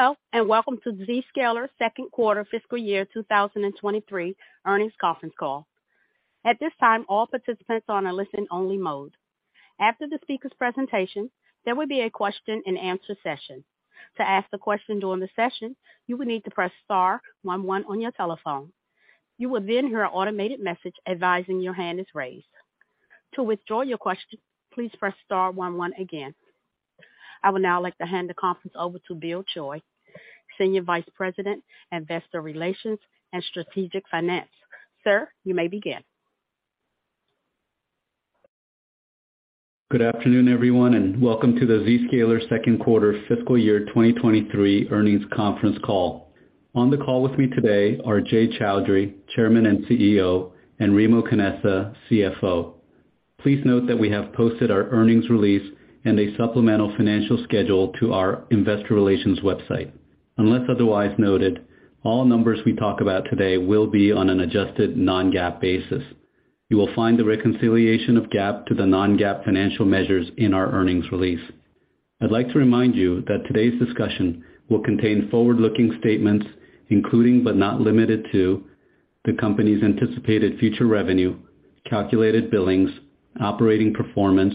Hello, welcome to Zscaler's second quarter fiscal year 2023 earnings conference call. At this time, all participants are on a listen-only mode. After the speaker's presentation, there will be a question-and-answer session. To ask the question during the session, you will need to press star one one on your telephone. You will then hear an automated message advising your hand is raised. To withdraw your question, please press star one one again. I would now like to hand the conference over to Bill Choi, Senior Vice President, Investor Relations and Strategic Finance. Sir, you may begin. Good afternoon, everyone, and welcome to the Zscaler second quarter fiscal year 2023 earnings conference call. On the call with me today are Jay Chaudhry, Chairman and CEO, and Remo Canessa, CFO. Please note that we have posted our earnings release and a supplemental financial schedule to our investor relations website. Unless otherwise noted, all numbers we talk about today will be on an adjusted non-GAAP basis. You will find the reconciliation of GAAP to the non-GAAP financial measures in our earnings release. I'd like to remind you that today's discussion will contain forward-looking statements, including, but not limited to, the company's anticipated future revenue, calculated billings, operating performance,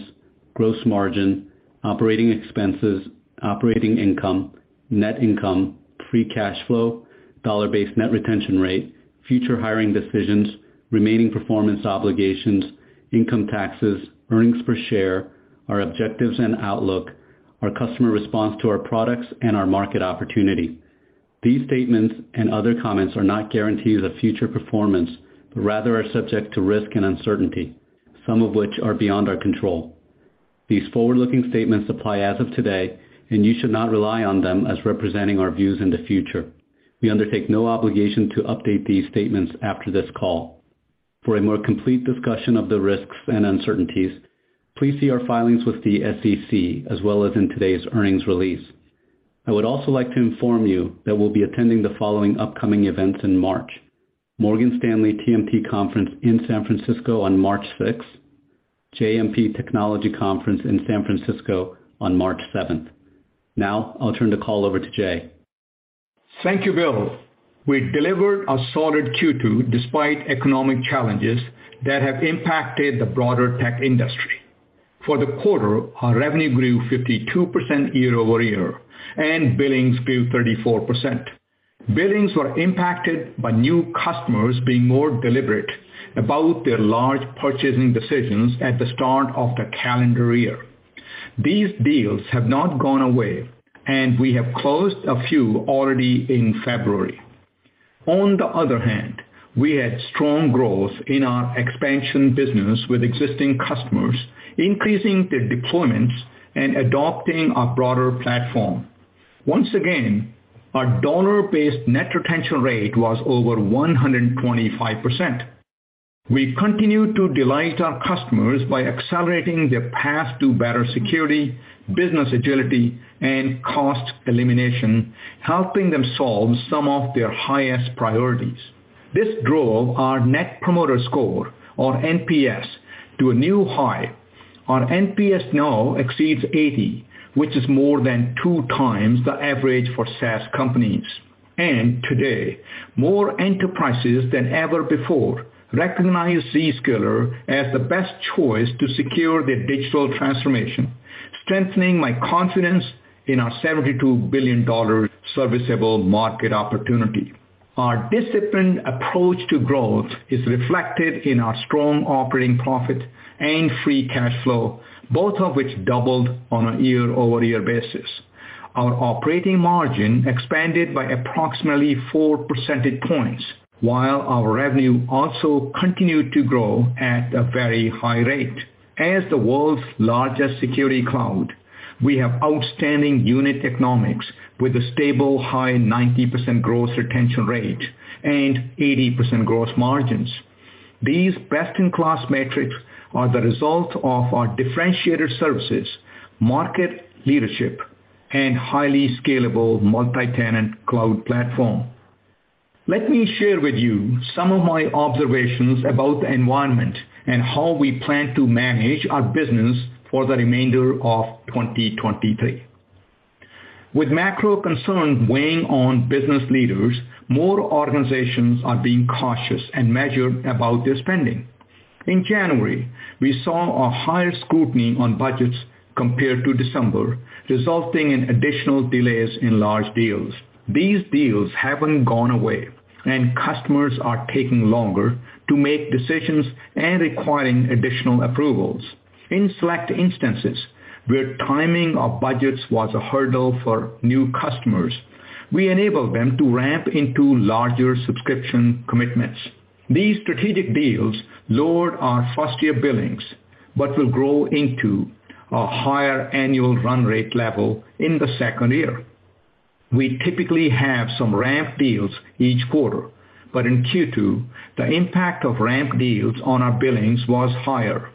gross margin, operating expenses, operating income, net income, free cash flow, dollar-based net retention rate, future hiring decisions, remaining performance obligations, income taxes, earnings per share, our objectives and outlook, our customer response to our products, and our market opportunity. These statements and other comments are not guarantees of future performance, but rather are subject to risk and uncertainty, some of which are beyond our control. These forward-looking statements apply as of today, and you should not rely on them as representing our views in the future. We undertake no obligation to update these statements after this call. For a more complete discussion of the risks and uncertainties, please see our filings with the SEC as well as in today's earnings release. I would also like to inform you that we'll be attending the following upcoming events in March: Morgan Stanley TMT Conference in San Francisco on 6th March, JMP Technology Conference in San Francisco on March seventh. Now, I'll turn the call over to Jay. Thank you, Bill. We delivered a solid Q2 despite economic challenges that have impacted the broader tech industry. For the quarter, our revenue grew 52% year-over-year, and billings grew 34%. Billings were impacted by new customers being more deliberate about their large purchasing decisions at the start of the calendar year. These deals have not gone away, and we have closed a few already in February. On the other hand, we had strong growth in our expansion business with existing customers, increasing their deployments and adopting our broader platform. Once again, our dollar-based net retention rate was over 125%. We continue to delight our customers by accelerating their path to better security, business agility, and cost elimination, helping them solve some of their highest priorities. This drove our net promoter score or NPS to a new high. Our NPS now exceeds 80, which is more than 2x the average for SaaS companies. Today, more enterprises than ever before recognize Zscaler as the best choice to secure their digital transformation, strengthening my confidence in our $72 billion serviceable market opportunity. Our disciplined approach to growth is reflected in our strong operating profit and free cash flow, both of which doubled on a year-over-year basis. Our operating margin expanded by approximately 4 percentage points, while our revenue also continued to grow at a very high rate. As the world's largest security cloud, we have outstanding unit economics with a stable high 90% gross retention rate and 80% gross margins. These best-in-class metrics are the result of our differentiated services, market leadership, and highly scalable multi-tenant cloud platform. Let me share with you some of my observations about the environment and how we plan to manage our business for the remainder of 2023. With macro concerns weighing on business leaders, more organizations are being cautious and measured about their spending. In January, we saw a higher scrutiny on budgets compared to December, resulting in additional delays in large deals. These deals haven't gone away, and customers are taking longer to make decisions and requiring additional approvals. In select instances where timing of budgets was a hurdle for new customers, we enabled them to ramp into larger subscription commitments. These strategic deals lowered our first-year billings but will grow into a higher annual run rate level in the second year. We typically have some ramp deals each quarter, but in Q2, the impact of ramp deals on our billings was higher.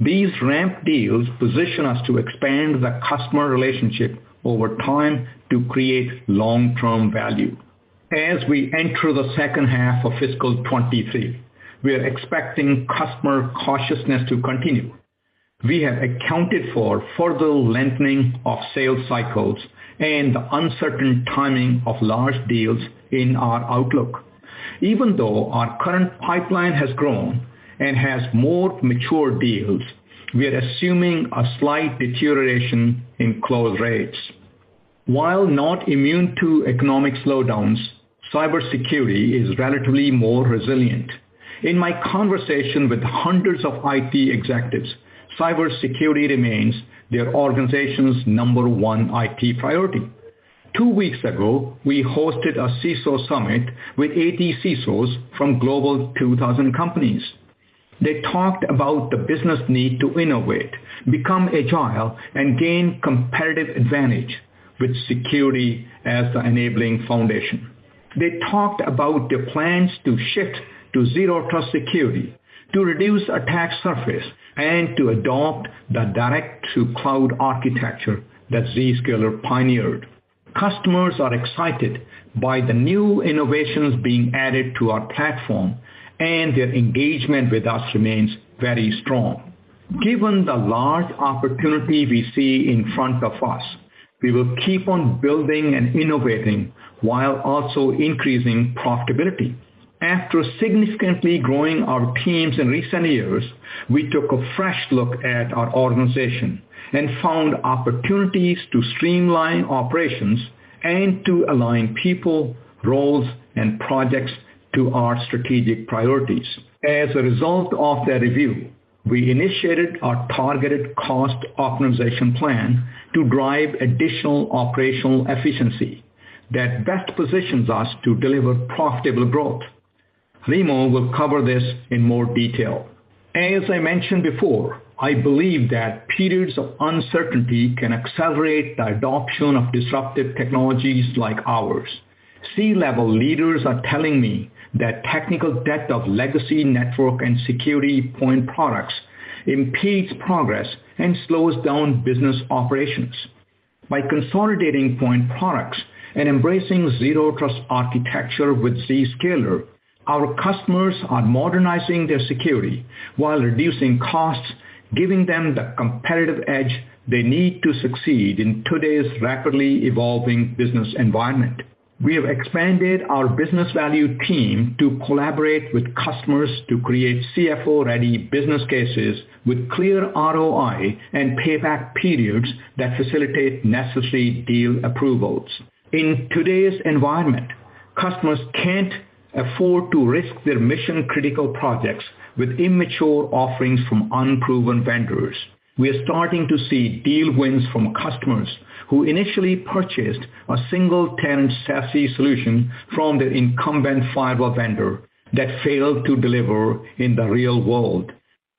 These ramp deals position us to expand the customer relationship over time to create long-term value. As we enter the second half of fiscal 23, we are expecting customer cautiousness to continue. We have accounted for further lengthening of sales cycles and the uncertain timing of large deals in our outlook. Even though our current pipeline has grown and has more mature deals, we are assuming a slight deterioration in close rates. While not immune to economic slowdowns, cybersecurity is relatively more resilient. In my conversation with hundreds of IT executives, cybersecurity remains their organization's number one IT priority. Two weeks ago, we hosted a CISO summit with 80 CISOs from Global 2,000 companies. They talked about the business need to innovate, become agile, and gain competitive advantage with security as the enabling foundation. They talked about their plans to shift to zero trust security, to reduce attack surface, and to adopt the direct-to-cloud architecture that Zscaler pioneered. Customers are excited by the new innovations being added to our platform. Their engagement with us remains very strong. Given the large opportunity we see in front of us, we will keep on building and innovating while also increasing profitability. After significantly growing our teams in recent years, we took a fresh look at our organization and found opportunities to streamline operations and to align people, roles, and projects to our strategic priorities. As a result of that review, we initiated our targeted cost optimization plan to drive additional operational efficiency that best positions us to deliver profitable growth. Remo will cover this in more detail. As I mentioned before, I believe that periods of uncertainty can accelerate the adoption of disruptive technologies like ours. C-level leaders are telling me that technical debt of legacy network and security point products impedes progress and slows down business operations. By consolidating point products and embracing zero trust architecture with Zscaler, our customers are modernizing their security while reducing costs, giving them the competitive edge they need to succeed in today's rapidly evolving business environment. We have expanded our business value team to collaborate with customers to create CFO-ready business cases with clear ROI and payback periods that facilitate necessary deal approvals. In today's environment, customers can't afford to risk their mission-critical projects with immature offerings from unproven vendors. We are starting to see deal wins from customers who initially purchased a single-tenant SASE solution from their incumbent firewall vendor that failed to deliver in the real world.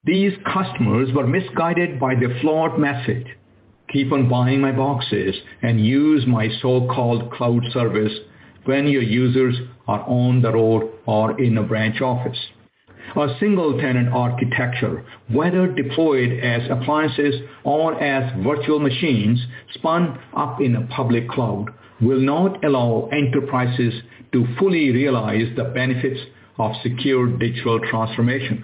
These customers were misguided by the flawed message, "Keep on buying my boxes and use my so-called cloud service when your users are on the road or in a branch office." A single-tenant architecture, whether deployed as appliances or as virtual machines spun up in a public cloud, will not allow enterprises to fully realize the benefits of secure digital transformation.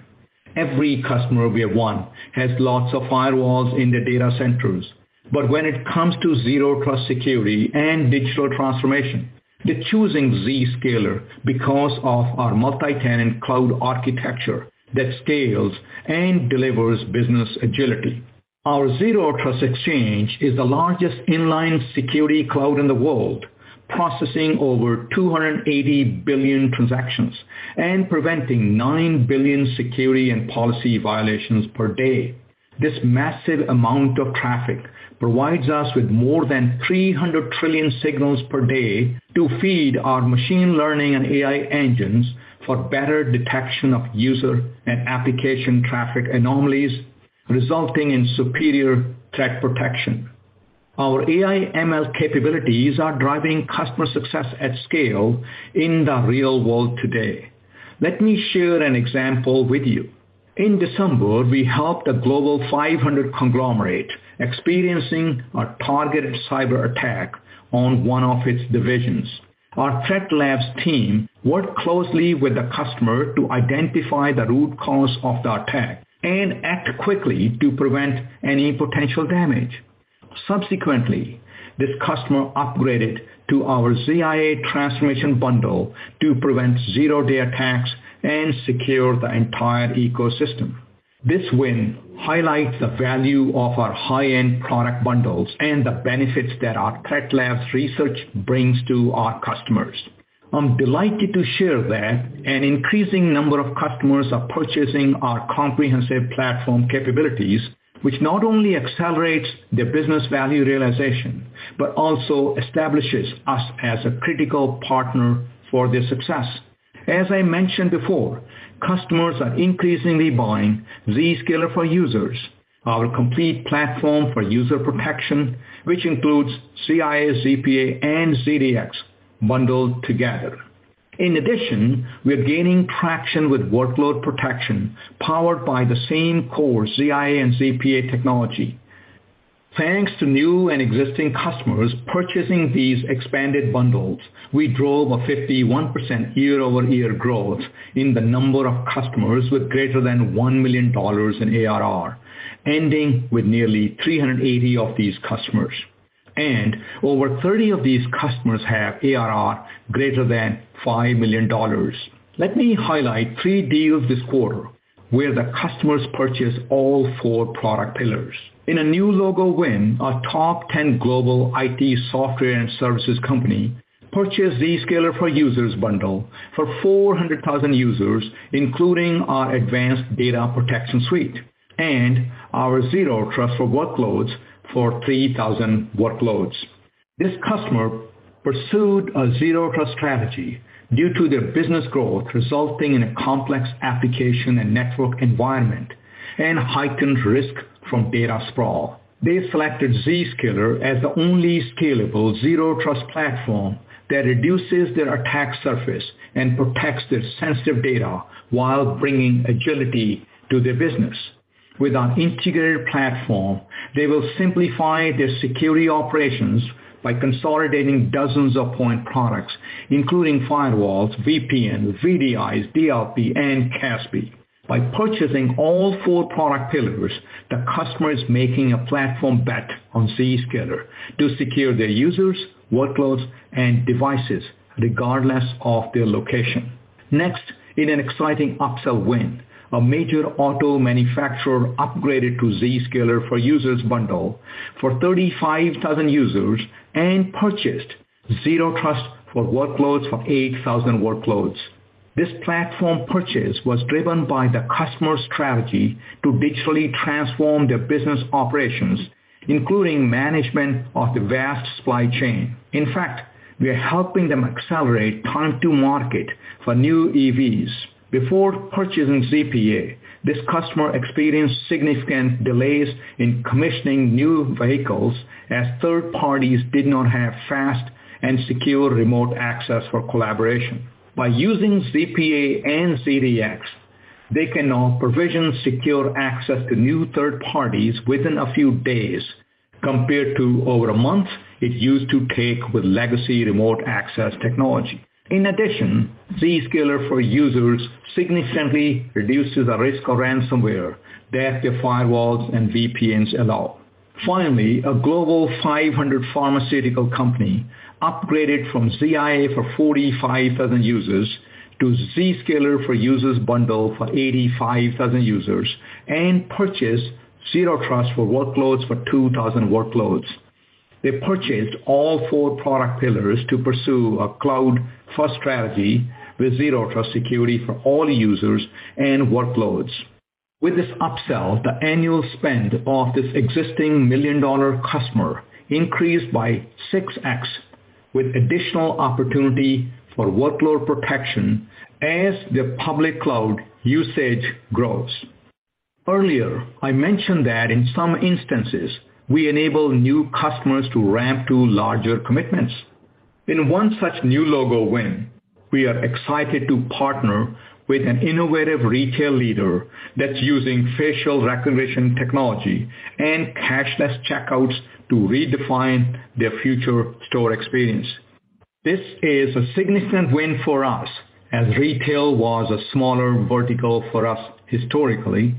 Every customer we have won has lots of firewalls in their data centers. When it comes to zero trust security and digital transformation, they're choosing Zscaler because of our multi-tenant cloud architecture that scales and delivers business agility. Our Zero Trust Exchange is the largest inline security cloud in the world, processing over 280 billion transactions and preventing 9 billion security and policy violations per day. This massive amount of traffic provides us with more than 300 trillion signals per day to feed our machine learning and AI engines for better detection of user and application traffic anomalies, resulting in superior threat protection. Our AI ML capabilities are driving customer success at scale in the real world today. Let me share an example with you. In December, we helped a Global 500 conglomerate experiencing a targeted cyber attack on one of its divisions. Our ThreatLabz team worked closely with the customer to identify the root cause of the attack and act quickly to prevent any potential damage. Subsequently, this customer upgraded to our ZIA Transformation Bundle to prevent zero-day attacks and secure the entire ecosystem. This win highlights the value of our high-end product bundles and the benefits that our ThreatLabz research brings to our customers. I'm delighted to share that an increasing number of customers are purchasing our comprehensive platform capabilities, which not only accelerates their business value realization, but also establishes us as a critical partner for their success. As I mentioned before, customers are increasingly buying Zscaler for Users, our complete platform for user protection, which includes ZIA, ZPA, and ZDX bundled together. We are gaining traction with workload protection powered by the same core ZIA and ZPA technology. Thanks to new and existing customers purchasing these expanded bundles, we drove a 51% year-over-year growth in the number of customers with greater than $1 million in ARR, ending with nearly 380 of these customers. Over 30 of these customers have ARR greater than $5 million. Let me highlight 3 deals this quarter where the customers purchased all four product pillars. In a new logo win, a top 10 global IT software and services company purchased Zscaler for Users bundle for 400,000 users, including our advanced data protection suite and our Zero Trust for Workloads for 3,000 workloads. This customer pursued a zero trust strategy due to their business growth resulting in a complex application and network environment and heightened risk from data sprawl. They selected Zscaler as the only scalable zero trust platform that reduces their attack surface and protects their sensitive data while bringing agility to their business. With our integrated platform, they will simplify their security operations by consolidating dozens of point products, including firewalls, VPN, VDIs, DLP and CASB. By purchasing all four product pillars, the customer is making a platform bet on Zscaler to secure their users, workloads, and devices regardless of their location. Next, in an exciting upsell win, a major auto manufacturer upgraded to Zscaler for Users bundle for 35,000 users and purchased Zero Trust for Workloads for 8,000 workloads. This platform purchase was driven by the customer's strategy to digitally transform their business operations, including management of their vast supply chain. In fact, we are helping them accelerate time to market for new EVs. Before purchasing ZPA, this customer experienced significant delays in commissioning new vehicles as third parties did not have fast and secure remote access for collaboration. By using ZPA and ZDX, they can now provision secure access to new third parties within a few days compared to over a month it used to take with legacy remote access technology. In addition, Zscaler for Users significantly reduces the risk of ransomware that their firewalls and VPNs allow. Finally, a global 500 pharmaceutical company upgraded from ZIA for 45,000 users to Zscaler for Users bundle for 85,000 users and purchased Zero Trust for Workloads for 2,000 workloads. They purchased all four product pillars to pursue a cloud-first strategy with zero trust security for all users and workloads. With this upsell, the annual spend of this existing million-dollar customer increased by 6x, with additional opportunity for workload protection as their public cloud usage grows. Earlier, I mentioned that in some instances, we enable new customers to ramp to larger commitments. In one such new logo win, we are excited to partner with an innovative retail leader that's using facial recognition technology and cashless checkouts to redefine their future store experience. This is a significant win for us as retail was a smaller vertical for us historically,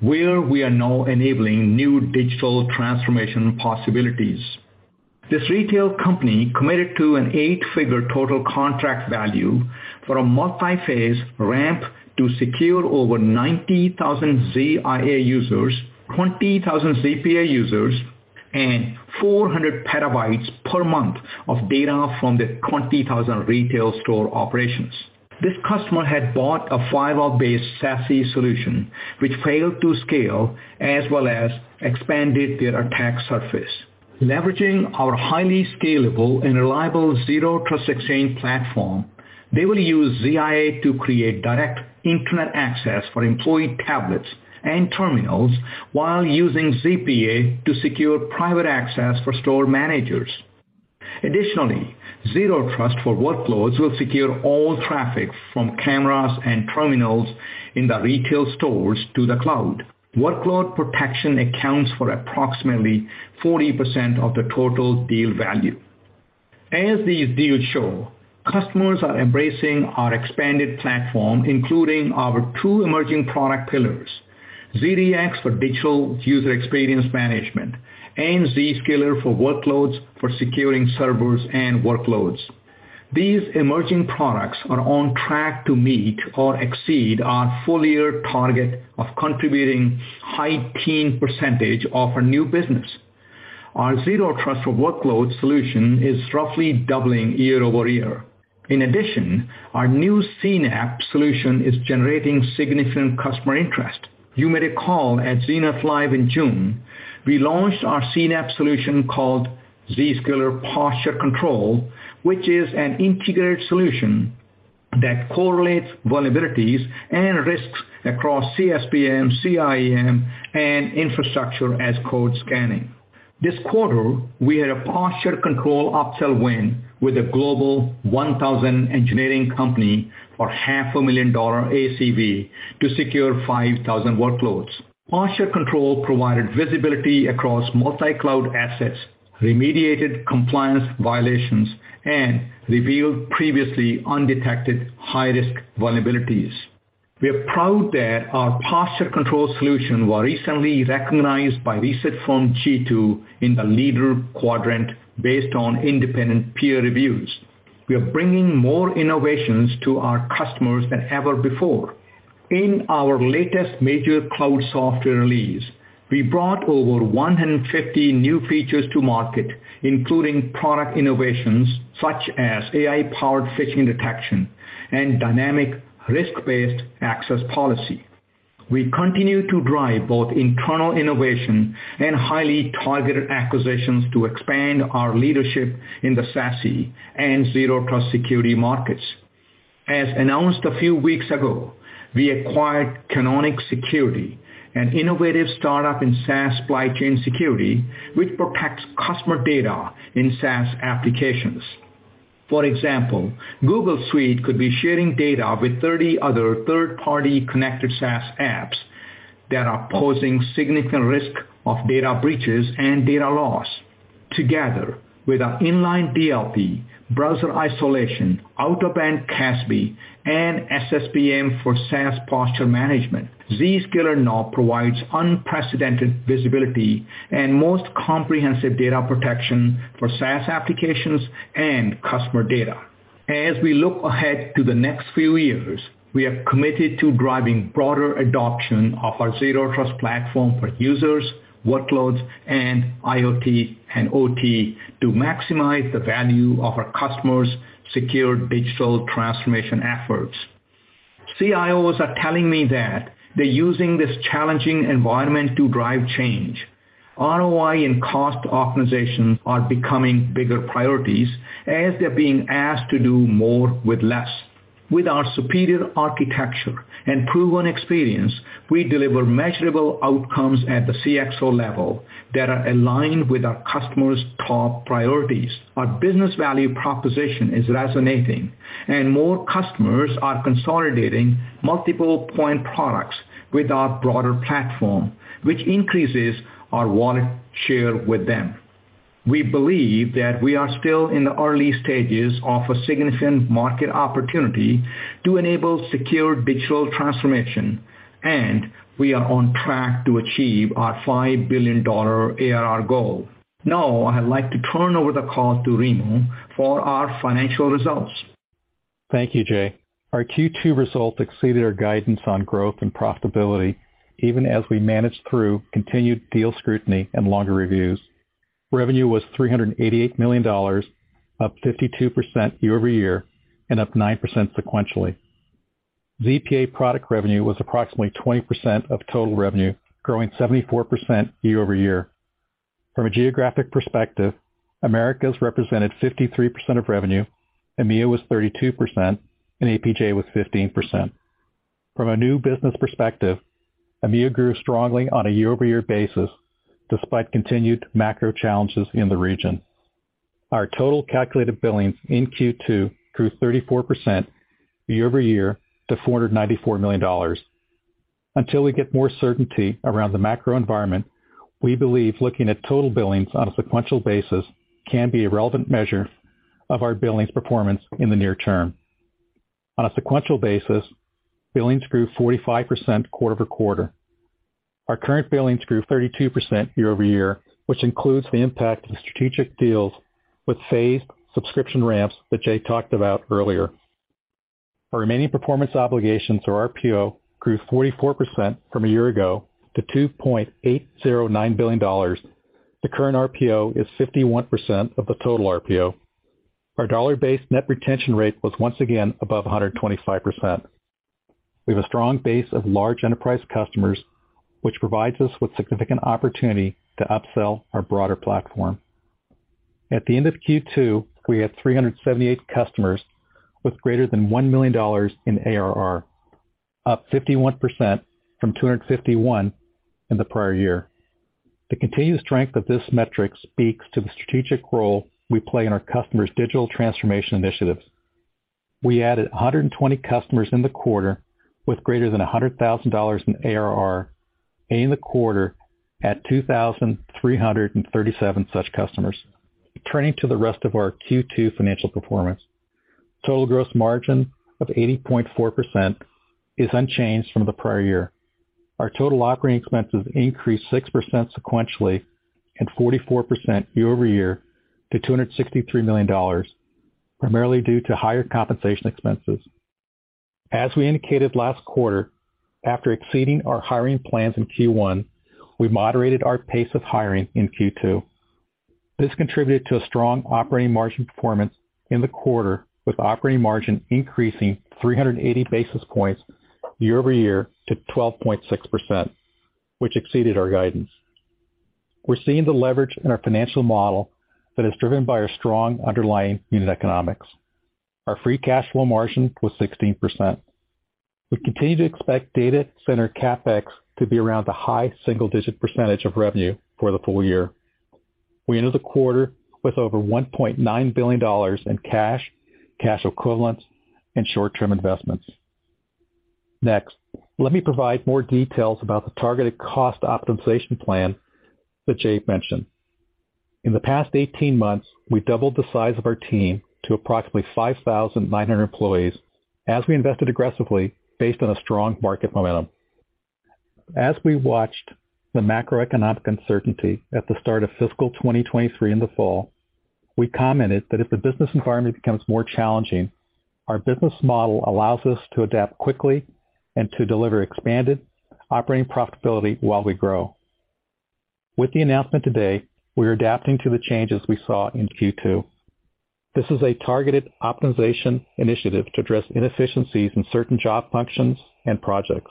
where we are now enabling new digital transformation possibilities. This retail company committed to an 8-figure total contract value for a multi-phase ramp to secure over 90,000 ZIA users, 20,000 ZPA users, and 400 terabytes per month of data from their 20,000 retail store operations. This customer had bought a firewall-based SASE solution which failed to scale as well as expanded their attack surface. Leveraging our highly scalable and reliable Zero Trust Exchange platform, they will use ZIA to create direct internet access for employee tablets and terminals while using ZPA to secure private access for store managers. Additionally, Zero Trust for Workloads will secure all traffic from cameras and terminals in the retail stores to the cloud. Workload protection accounts for approximately 40% of the total deal value. As these deals show, customers are embracing our expanded platform, including our 2 emerging product pillars, ZDX for Digital User Experience Management and Zscaler for Workloads for securing servers and workloads. These emerging products are on track to meet or exceed our full year target of contributing high-teen % of our new business. Our Zero Trust for Workloads solution is roughly doubling year-over-year. In addition, our new CNAPP solution is generating significant customer interest. You may recall at Zenith Live in June, we launched our CNAPP solution called Zscaler Posture Control, which is an integrated solution that correlates vulnerabilities and risks across CSPM, CIEM, and infrastructure as code scanning. This quarter, we had a posture control upsell win with a Global 1,000 engineering company for half a million dollar ACV to secure 5,000 workloads. Posture Control provided visibility across multi-cloud assets, remediated compliance violations, and revealed previously undetected high-risk vulnerabilities. We are proud that our Posture Control solution was recently recognized by research firm G2 in the leader quadrant based on independent peer reviews. We are bringing more innovations to our customers than ever before. In our latest major cloud software release, we brought over 150 new features to market, including product innovations such as AI-powered phishing detection and dynamic risk-based access policy. We continue to drive both internal innovation and highly targeted acquisitions to expand our leadership in the SASE and zero trust security markets. As announced a few weeks ago, we acquired Canonic Security, an innovative startup in SaaS supply chain security, which protects customer data in SaaS applications. For example, Google Workspace could be sharing data with 30 other third-party connected SaaS apps that are posing significant risk of data breaches and data loss. Together with our inline DLP, browser isolation, out-of-band CASB, and SSPM for SaaS posture management, Zscaler now provides unprecedented visibility and most comprehensive data protection for SaaS applications and customer data. As we look ahead to the next few years, we are committed to driving broader adoption of our zero trust platform for users, workloads, and IoT and OT to maximize the value of our customers' secure digital transformation efforts. CIOs are telling me that they're using this challenging environment to drive change. ROI and cost optimization are becoming bigger priorities as they're being asked to do more with less. With our superior architecture and proven experience, we deliver measurable outcomes at the CXO level that are aligned with our customers' top priorities. Our business value proposition is resonating. More customers are consolidating multiple point products with our broader platform, which increases our wallet share with them. We believe that we are still in the early stages of a significant market opportunity to enable secure digital transformation. We are on track to achieve our $5 billion ARR goal. Now, I'd like to turn over the call to Remo for our financial results. Thank you, Jay. Our Q2 results exceeded our guidance on growth and profitability, even as we managed through continued deal scrutiny and longer reviews. Revenue was $388 million, up 52% year-over-year, and up 9% sequentially. ZPA product revenue was approximately 20% of total revenue, growing 74% year-over-year. From a geographic perspective, Americas represented 53% of revenue, EMEA was 32%, and APJ was 15%. From a new business perspective, EMEA grew strongly on a year-over-year basis despite continued macro challenges in the region. Our total calculated billings in Q2 grew 34% year-over-year to $494 million. Until we get more certainty around the macro environment, we believe looking at total billings on a sequential basis can be a relevant measure of our billings performance in the near term. On a sequential basis, billings grew 45% quarter-over-quarter. Our current billings grew 32% year-over-year, which includes the impact of strategic deals with phased subscription ramps that Jay talked about earlier. Our remaining performance obligations or RPO grew 44% from a year ago to $2.809 billion. The current RPO is 51% of the total RPO. Our dollar-based net retention rate was once again above 125%. We have a strong base of large enterprise customers, which provides us with significant opportunity to upsell our broader platform. At the end of Q2, we had 378 customers with greater than $1 million in ARR, up 51% from 251 in the prior year. The continued strength of this metric speaks to the strategic role we play in our customers' digital transformation initiatives. We added 120 customers in the quarter with greater than $100,000 in ARR, ending the quarter at 2,337 such customers. Turning to the rest of our Q2 financial performance. Total gross margin of 80.4% is unchanged from the prior year. Our total operating expenses increased 6% sequentially and 44% year-over-year to $263 million, primarily due to higher compensation expenses. As we indicated last quarter, after exceeding our hiring plans in Q1, we moderated our pace of hiring in Q2. This contributed to a strong operating margin performance in the quarter, with operating margin increasing 380 basis points year-over-year to 12.6%, which exceeded our guidance. We're seeing the leverage in our financial model that is driven by our strong underlying unit economics. Our free cash flow margin was 16%. We continue to expect data center CapEx to be around the high single-digit % of revenue for the full year. We ended the quarter with over $1.9 billion in cash equivalents, and short-term investments. Next, let me provide more details about the targeted cost optimization plan that Jay mentioned. In the past 18 months, we've doubled the size of our team to approximately 5,900 employees as we invested aggressively based on a strong market momentum. As we watched the macroeconomic uncertainty at the start of fiscal 2023 in the fall, we commented that if the business environment becomes more challenging, our business model allows us to adapt quickly and to deliver expanded operating profitability while we grow. With the announcement today, we are adapting to the changes we saw in Q2. This is a targeted optimization initiative to address inefficiencies in certain job functions and projects.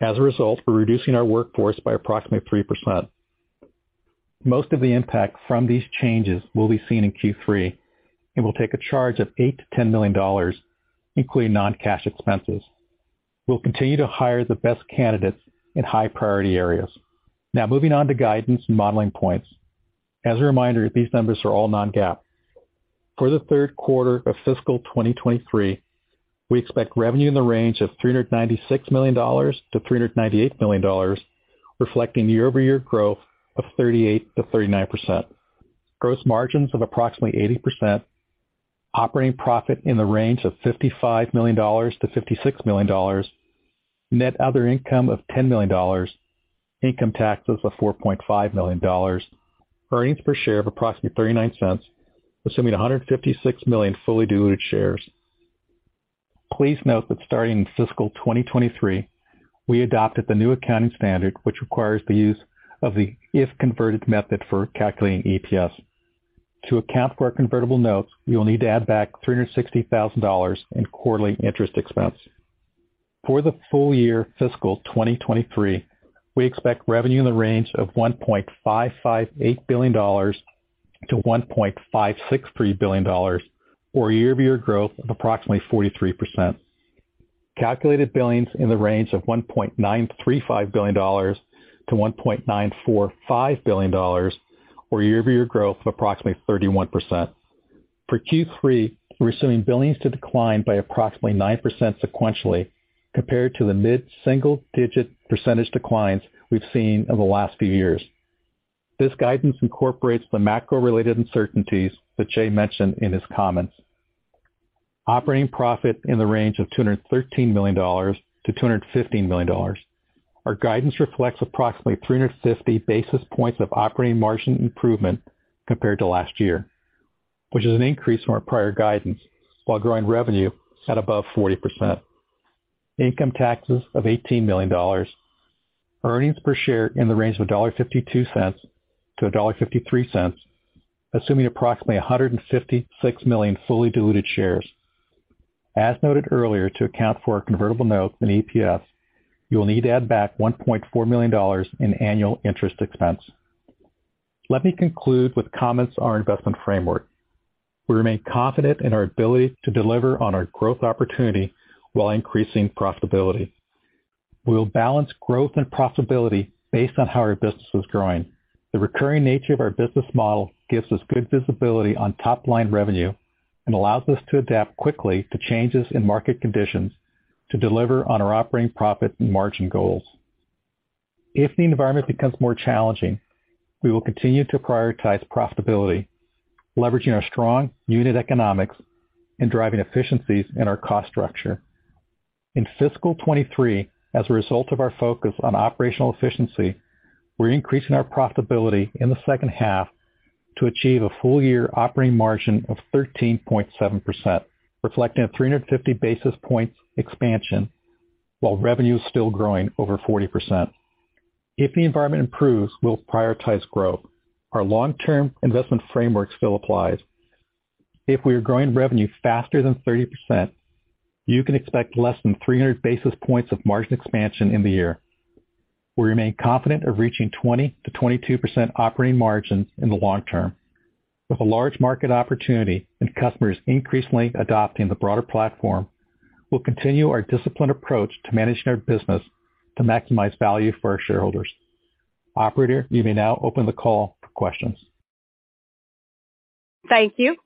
As a result, we're reducing our workforce by approximately 3%. Most of the impact from these changes will be seen in Q3. We'll take a charge of $8 million-$10 million, including non-cash expenses. We'll continue to hire the best candidates in high-priority areas. Moving on to guidance and modeling points. As a reminder, these numbers are all non-GAAP. For the 3rd quarter of fiscal 2023, we expect revenue in the range of $396 million-$398 million, reflecting year-over-year growth of 38%-39%. Gross margins of approximately 80%. Operating profit in the range of $55 million-$56 million. Net other income of $10 million. Income taxes of $4.5 million. Earnings per share of approximately $0.39, assuming 156 million fully diluted shares. Please note that starting in fiscal 2023, we adopted the new accounting standard, which requires the use of the if-converted method for calculating EPS. To account for our convertible notes, you will need to add back $360,000 in quarterly interest expense. For the full year fiscal 2023, we expect revenue in the range of $1.558 billion to $1.563 billion, or year-over-year growth of approximately 43%. Calculated billings in the range of $1.935 billion to $1.945 billion, or year-over-year growth of approximately 31%. For Q3, we're assuming billings to decline by approximately 9% sequentially compared to the mid-single digit % declines we've seen over the last few years. This guidance incorporates the macro-related uncertainties that Jay mentioned in his comments. Operating profit in the range of $213 million to $215 million. Our guidance reflects approximately 350 basis points of operating margin improvement compared to last year, which is an increase from our prior guidance while growing revenue at above 40%. Income taxes of $18 million. Earnings per share in the range of $1.52-$1.53, assuming approximately 156 million fully diluted shares. As noted earlier, to account for our convertible notes in EPS, you will need to add back $1.4 million in annual interest expense. Let me conclude with comments on our investment framework. We remain confident in our ability to deliver on our growth opportunity while increasing profitability. We'll balance growth and profitability based on how our business is growing. The recurring nature of our business model gives us good visibility on top-line revenue and allows us to adapt quickly to changes in market conditions to deliver on our operating profit and margin goals. If the environment becomes more challenging, we will continue to prioritize profitability, leveraging our strong unit economics and driving efficiencies in our cost structure. In fiscal 23, as a result of our focus on operational efficiency, we're increasing our profitability in the second half to achieve a full-year operating margin of 13.7%, reflecting a 350 basis points expansion while revenue is still growing over 40%. If the environment improves, we'll prioritize growth. Our long-term investment framework still applies. If we are growing revenue faster than 30%, you can expect less than 300 basis points of margin expansion in the year. We remain confident of reaching 20%-22% operating margins in the long term. With a large market opportunity and customers increasingly adopting the broader platform, we'll continue our disciplined approach to managing our business to maximize value for our shareholders. Operator, you may now open the call for questions. Thank you.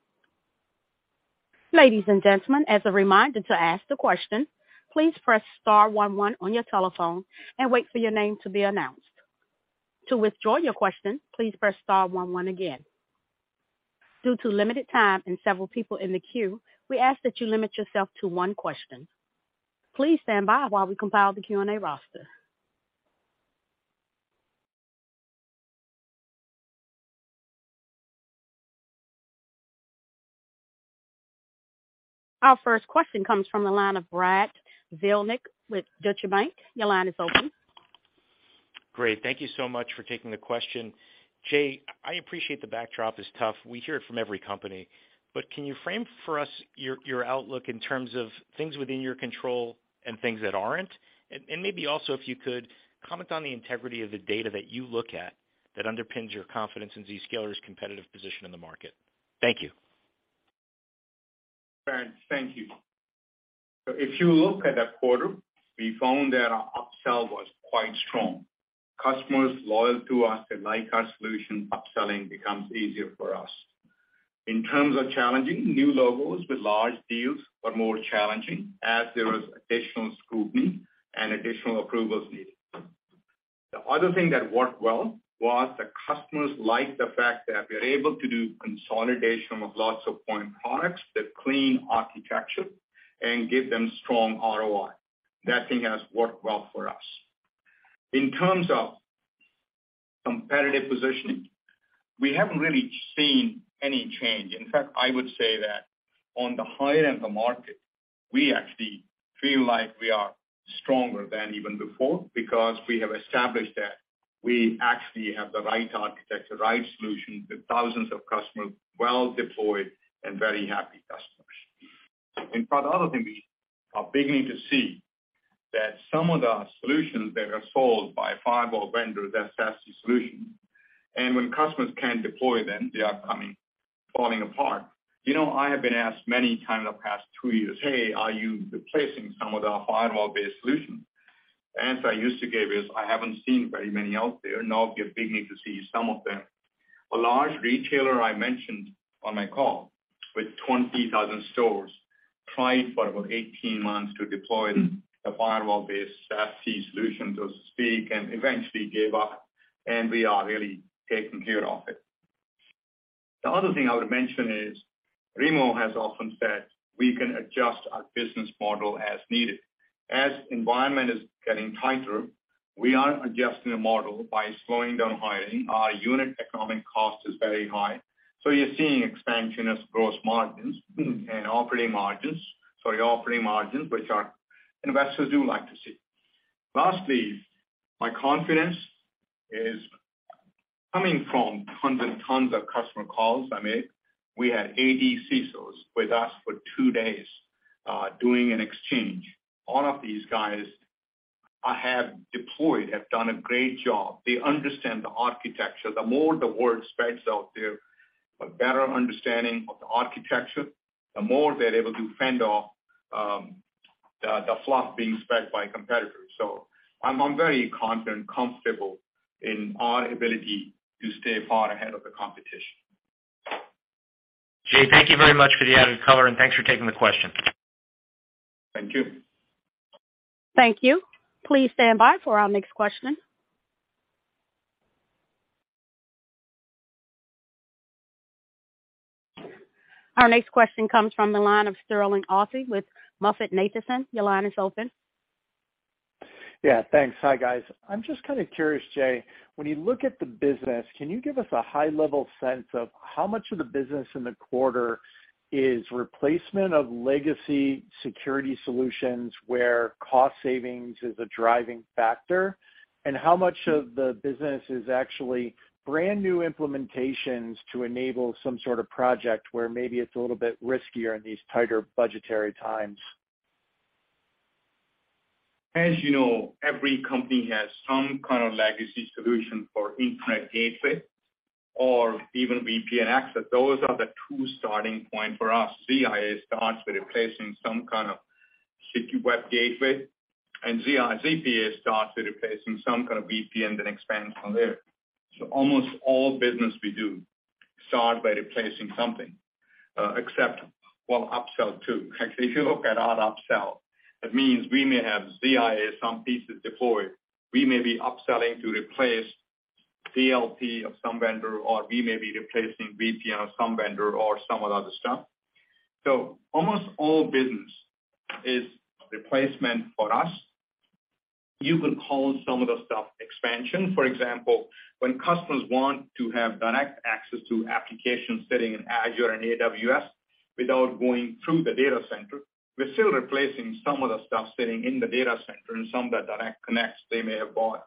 Ladies and gentlemen, as a reminder to ask the question, please press star one one on your telephone and wait for your name to be announced. To withdraw your question, please press star one one again. Due to limited time and several people in the queue, we ask that you limit yourself to one question. Please stand by while we compile the Q&A roster. Our first question comes from the line of Brad Zelnick with Deutsche Bank. Your line is open. Great. Thank you so much for taking the question. Jay, I appreciate the backdrop is tough. We hear it from every company. Can you frame for us your outlook in terms of things within your control and things that aren't? Maybe also if you could comment on the integrity of the data that you look at that underpins your confidence in Zscaler's competitive position in the market. Thank you. Brad, thank you. If you look at the quarter, we found that our upsell was quite strong. Customers loyal to us, they like our solution. Up-selling becomes easier for us. Challenging new logos with large deals are more challenging as there was additional scrutiny and additional approvals needed. Other thing that worked well was the customers like the fact that we're able to do consolidation of lots of point products, the clean architecture, and give them strong ROI. That thing has worked well for us. Competitive positioning, we haven't really seen any change. I would say that on the high end of the market, we actually feel like we are stronger than even before because we have established that we actually have the right architecture, right solution, with thousands of customers well deployed and very happy customers. In fact, other thing we are beginning to see that some of the solutions that are sold by firewall vendors, that's SaaS solution, when customers can deploy them, they are falling apart. You know, I have been asked many times in the past two years, "Hey, are you replacing some of the firewall-based solutions?" The answer I used to give is, I haven't seen very many out there. Now we are beginning to see some of them. A large retailer I mentioned on my call with 20,000 stores tried for about 18 months to deploy the firewall-based SaaS solution, so to speak, and eventually gave up, and we are really taking care of it. The other thing I would mention is, Remo has often said we can adjust our business model as needed. Environment is getting tighter, we are adjusting the model by slowing down hiring. Our unit economic cost is very high, so you're seeing expansion as gross margins and operating margins. Sorry, operating margins, which our investors do like to see. Lastly, my confidence is coming from tons and tons of customer calls I made. We had 80 CISOs with us for two days doing an exchange. All of these guys I have deployed have done a great job. They understand the architecture. The more the word spreads out there, a better understanding of the architecture, the more they're able to fend off the fluff being spread by competitors. I'm very confident and comfortable in our ability to stay far ahead of the competition. Jay, thank you very much for the added color, and thanks for taking the question. Thank you. Thank you. Please stand by for our next question. Our next question comes from the line of Sterling Auty with MoffettNathanson. Your line is open. Yeah, thanks. Hi, guys. I'm just kind of curious, Jay, when you look at the business, can you give us a high-level sense of how much of the business in the quarter is replacement of legacy security solutions, where cost savings is a driving factor? How much of the business is actually brand new implementations to enable some sort of project where maybe it's a little bit riskier in these tighter budgetary times? As you know, every company has some kind of legacy solution for internet gateway or even VPN access. Those are the two starting point for us. ZIA starts with replacing some kind of city web gateway, ZPA starts with replacing some kind of VPN that expands from there. Almost all business we do start by replacing something, well, upsell too. Actually, if you look at our upsell, that means we may have ZIA, some pieces deployed. We may be upselling to replace DLP of some vendor, or we may be replacing VPN of some vendor or some of the other stuff. Almost all business is replacement for us. You can call some of the stuff expansion. For example, when customers want to have direct access to applications sitting in Azure and AWS without going through the data center, we're still replacing some of the stuff sitting in the data center and some of the direct connects they may have bought.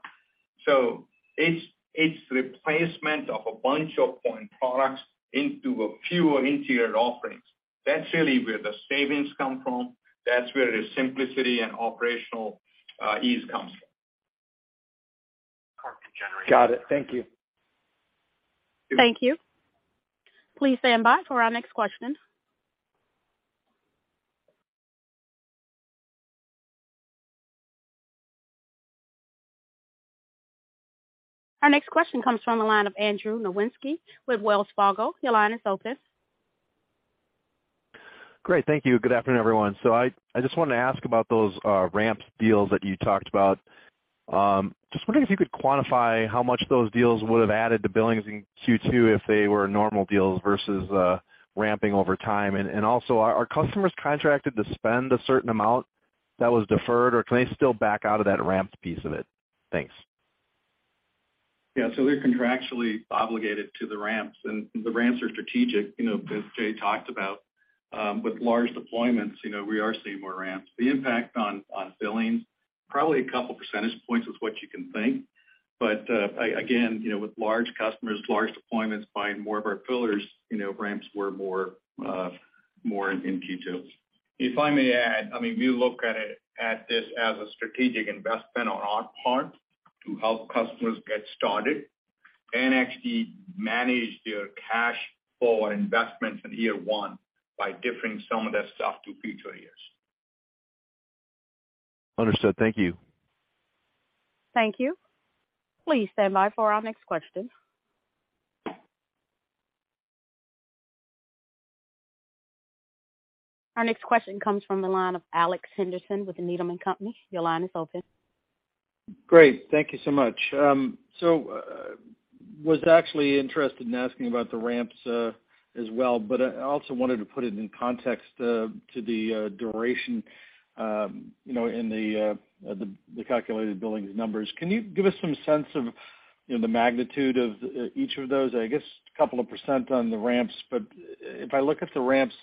It's replacement of a bunch of point products into a fewer interior offerings. That's really where the savings come from. That's where the simplicity and operational ease comes from. Got it. Thank you. Thank you. Please stand by for our next question. Our next question comes from the line of Andrew Nowinski with Wells Fargo. Your line is open. Great. Thank you. Good afternoon, everyone. I just wanted to ask about those ramp deals that you talked about. Just wondering if you could quantify how much those deals would have added to billings in Q2 if they were normal deals versus ramping over time. Also, are customers contracted to spend a certain amount that was deferred, or can they still back out of that ramp piece of it? Thanks. Yeah. They're contractually obligated to the ramps, and the ramps are strategic. You know, as Jay talked about. With large deployments, you know, we are seeing more ramps. The impact on billings, probably a couple percentage points is what you can think. Again, you know, with large customers, large deployments buying more of our fillers, you know, ramps were more in Q2. If I may add, I mean, we look at this as a strategic investment on our part to help customers get started and actually manage their cash flow investments in year 1 by deferring some of that stuff to future years. Understood. Thank you. Thank you. Please stand by for our next question. Our next question comes from the line of Alex Henderson with Needham & Company. Your line is open. Great. Thank you so much. was actually interested in asking about the ramps as well, but I also wanted to put it in context to the duration, you know, in the calculated billings numbers. Can you give us some sense of, you know, the magnitude of each of those? I guess a couple of % on the ramps, but if I look at the ramps,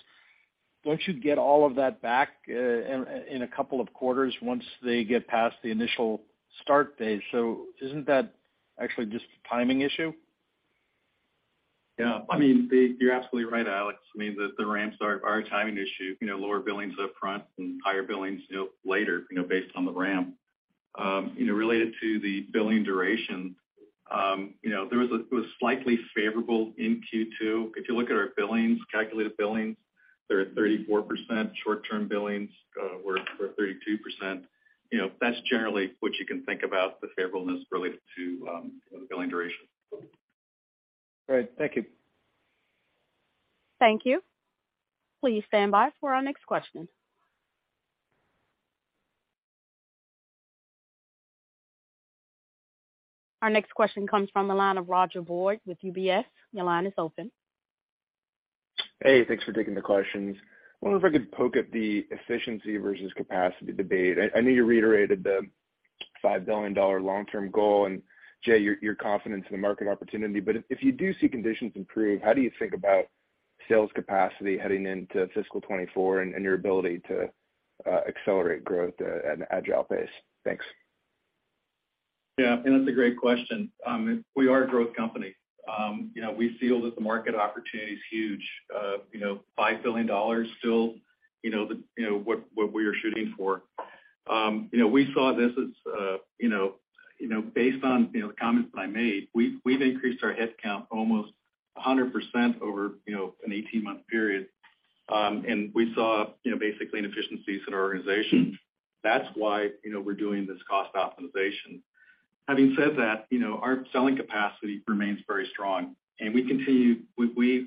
don't you get all of that back in a couple of quarters once they get past the initial start date? Isn't that actually just a timing issue? I mean, you're absolutely right, Alex. I mean, the ramps are a timing issue, you know, lower billings upfront and higher billings, you know, later, you know, based on the ramp. You know, related to the billing duration, you know, there was slightly favorable in Q2. If you look at our billings, calculated billings, they're at 34%. Short-term billings were 32%. You know, that's generally what you can think about the favorableness related to, you know, the billing duration. All right. Thank you. Thank you. Please stand by for our next question. Our next question comes from the line of Roger Boyd with UBS. Your line is open. Hey, thanks for taking the questions. I wonder if I could poke at the efficiency versus capacity debate. I know you reiterated the $5 billion long-term goal and, Jay, your confidence in the market opportunity. If you do see conditions improve, how do you think about sales capacity heading into fiscal 2024 and your ability to accelerate growth at an agile pace? Thanks. That's a great question. We are a growth company. You know, we feel that the market opportunity is huge. You know, $5 billion still, you know, the, you know, what we are shooting for. You know, we saw this as, you know, based on, you know, the comments that I made, we've increased our headcount almost 100% over, you know, an 18-month period. We saw, you know, basically inefficiencies in our organization. That's why, you know, we're doing this cost optimization. Having said that, you know, our selling capacity remains very strong, and we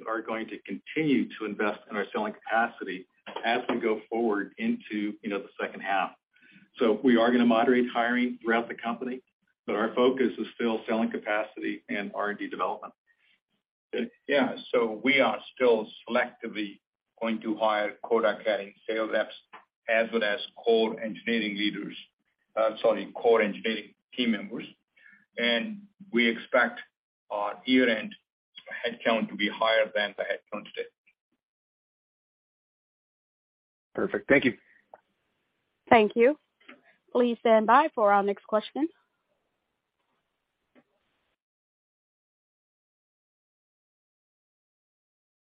are going to continue to invest in our selling capacity as we go forward into, you know, the second half. We are gonna moderate hiring throughout the company, but our focus is still selling capacity and R&D development. Yeah. We are still selectively going to hire quota-carrying sales reps as well as core engineering team members. We expect our year-end headcount to be higher than the headcount today. Perfect. Thank you. Thank you. Please stand by for our next question.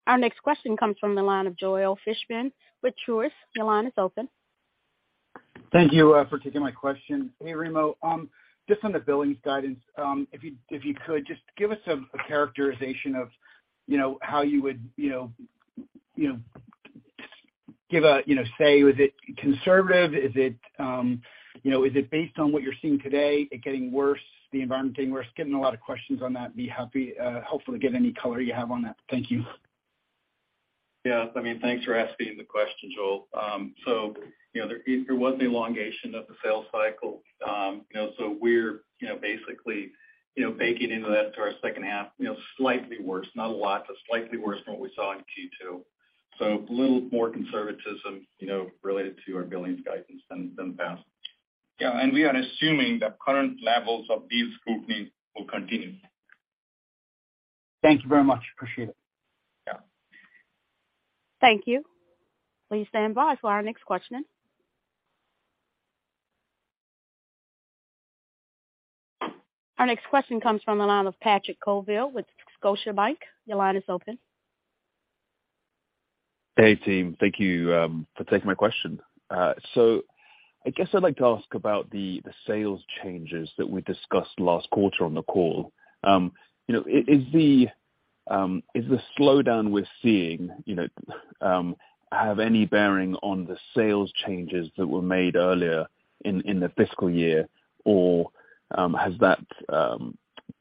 Our next question comes from the line of Joel Fishbein with Truist. Your line is open. Thank you for taking my question. Hey, Remo. Just on the billings guidance, if you could, just give us a characterization of, you know, how you would, you know, give a, you know, say, is it conservative? Is it, you know, is it based on what you're seeing today, it getting worse, the environment getting worse? Getting a lot of questions on that. Be happy, helpful to get any color you have on that. Thank you. Yeah. I mean, thanks for asking the question, Joel. You know, there was an elongation of the sales cycle. You know, so we're, you know, basically, you know, baking into that to our second half, you know, slightly worse, not a lot, but slightly worse than what we saw in Q2. A little more conservatism, you know, related to our billings guidance than the past. Yeah. We are assuming that current levels of deal scrutiny will continue. Thank you very much. Appreciate it. Yeah. Thank you. Please stand by for our next question. Our next question comes from the line of Patrick Colville with Scotiabank. Your line is open. Hey, team. Thank you for taking my question. I guess I'd like to ask about the sales changes that we discussed last quarter on the call. You know, is the slowdown we're seeing, you know, have any bearing on the sales changes that were made earlier in the fiscal year? Has that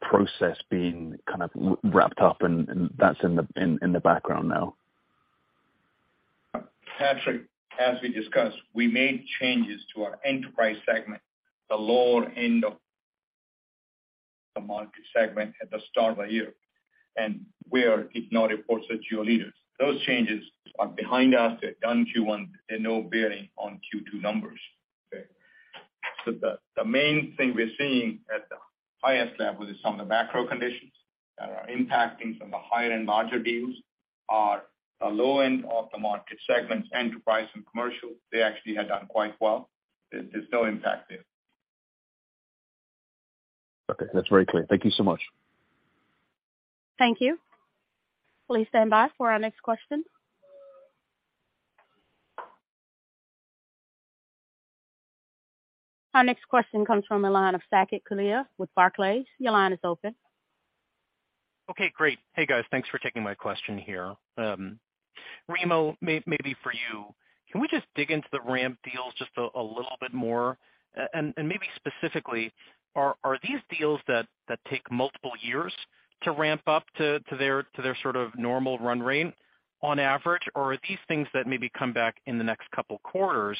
process been kind of wrapped up and that's in the background now? Patrick, as we discussed, we made changes to our enterprise segment, the lower end of the market segment at the start of the year. We are ignoring reports that geo leaders. Those changes are behind us. They're done Q1. They're no bearing on Q2 numbers. The main thing we're seeing at the highest level is some of the macro conditions that are impacting some of the higher-end larger deals are the low end of the market segments, enterprise and commercial, they actually have done quite well. There's no impact there. Okay. That's very clear. Thank you so much. Thank you. Please stand by for our next question. Our next question comes from the line of Saket Kalia with Barclays. Your line is open. Okay, great. Hey, guys. Thanks for taking my question here. Remo, maybe for you, can we just dig into the ramp deals just a little bit more? Maybe specifically, are these deals that take multiple years to ramp up to their sort of normal run rate on average? Or are these things that maybe come back in the next couple quarters?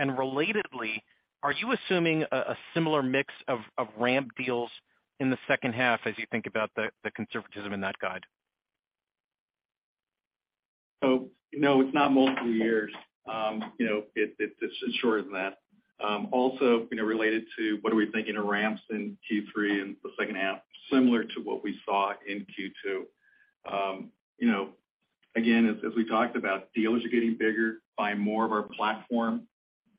Relatedly, are you assuming a similar mix of ramp deals in the second half as you think about the conservatism in that guide? No, it's not multiple years. You know, it's shorter than that. Also, you know, related to what are we thinking of ramps in Q3 and the second half, similar to what we saw in Q2. You know, again, as we talked about, deals are getting bigger, buying more of our platform.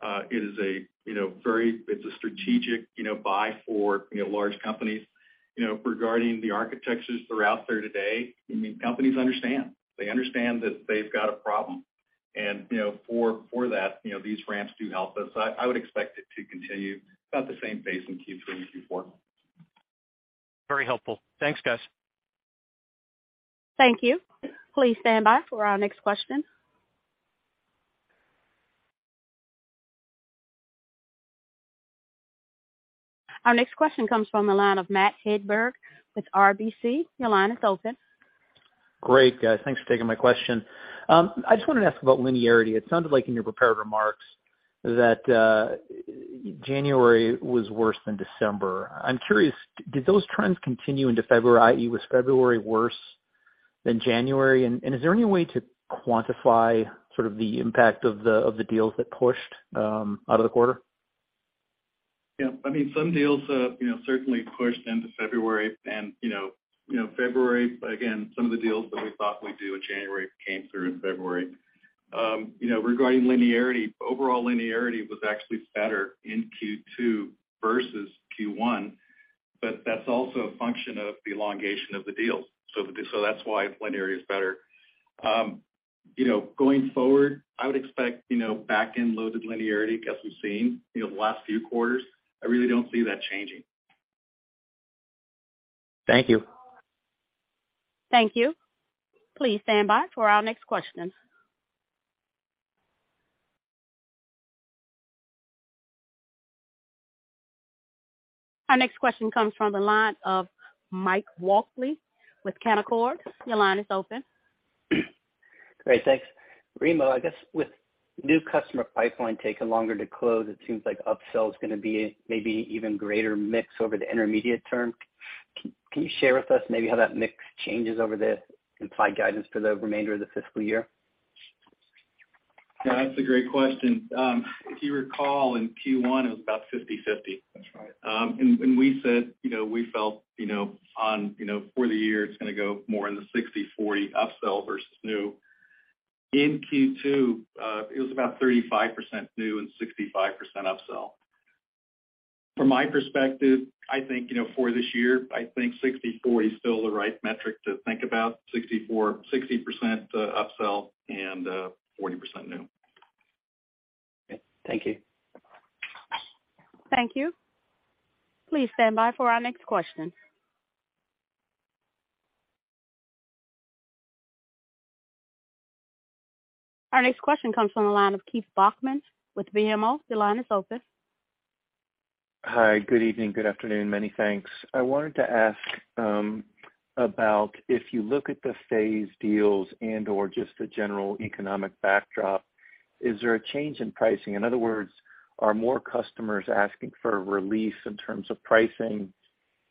It is a, you know, very, it's a strategic, you know, buy for, you know, large companies. You know, regarding the architectures that are out there today, I mean, companies understand. They understand that they've got a problem. You know, for that, you know, these ramps do help us. I would expect it to continue about the same pace in Q3 and Q4. Very helpful. Thanks, guys. Thank you. Please stand by for our next question. Our next question comes from the line of Matt Hedberg with RBC. Your line is open. Great. Guys, thanks for taking my question. I just wanted to ask about linearity. It sounded like in your prepared remarks that January was worse than December. I'm curious, did those trends continue into February, i.e., was February worse than January? Is there any way to quantify sort of the impact of the deals that pushed out of the quarter? Yeah. I mean, some deals, you know, certainly pushed into February. You know, February, again, some of the deals that we thought we'd do in January came through in February. You know, regarding linearity, overall linearity was actually better in Q2 versus Q1. That's also a function of the elongation of the deals. That's why linearity is better. You know, going forward, I would expect, you know, back-end loaded linearity as we've seen, you know, the last few quarters. I really don't see that changing. Thank you. Thank you. Please stand by for our next question. Our next question comes from the line of Mike Walkley with Canaccord. Your line is open. Great. Thanks. Remo, I guess with new customer pipeline taking longer to close, it seems like upsell is gonna be maybe even greater mix over the intermediate term. Can you share with us maybe how that mix changes over the implied guidance for the remainder of the fiscal year? Yeah, that's a great question. If you recall, in Q1, it was about 50/50. That's right. We said, you know, we felt, you know, on, you know, for the year, it's gonna go more in the 60/40 upsell versus new. In Q2, it was about 35% new and 65% upsell. From my perspective, I think, you know, for this year, I think 60/40 is still the right metric to think about, 60% upsell and 40% new. Okay. Thank you. Thank you. Please stand by for our next question. Our next question comes from the line of Keith Bachman with BMO. Your line is open. Hi. Good evening. Good afternoon. Many thanks. I wanted to ask about if you look at the phased deals and/or just the general economic backdrop, is there a change in pricing? In other words, are more customers asking for relief in terms of pricing?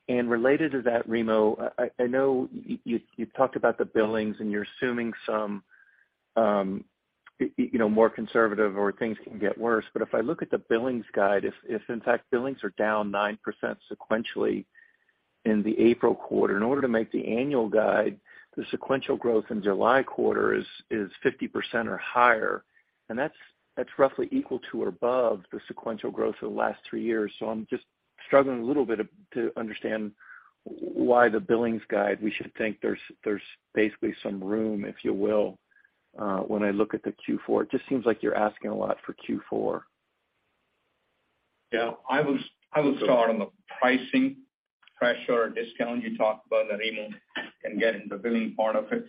Related to that, Remo, I know you talked about the billings and you're assuming some, you know, more conservative or things can get worse. If I look at the billings guide, if in fact, billings are down 9% sequentially in the April quarter, in order to make the annual guide, the sequential growth in July quarter is 50% or higher. That's roughly equal to or above the sequential growth of the last three years. I'm just struggling a little bit to understand why the billings guide, we should think there's basically some room, if you will, when I look at the Q4. It just seems like you're asking a lot for Q4. I will start on the pricing pressure or discount you talked about. Remo can get in the billing part of it.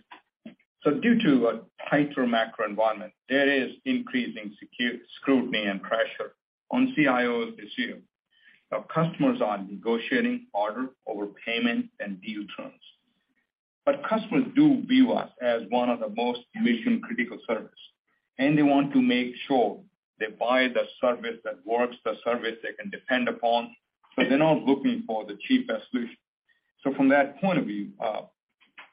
Due to a tighter macro environment, there is increasing scrutiny and pressure on CIOs this year. Our customers are negotiating harder over payment and deal terms. Customers do view us as one of the most mission-critical service. They want to make sure they buy the service that works, the service they can depend upon. They're not looking for the cheapest solution. From that point of view,